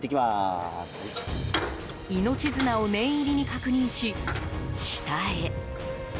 命綱を念入りに確認し、下へ。